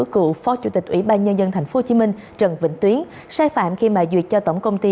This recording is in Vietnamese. cựu phó chủ tịch ủy ban nhân dân tp hcm trần vĩnh tuyến sai phạm khi mà duyệt cho tổng công ty